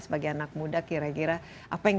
sebagai anak muda kira kira apa yang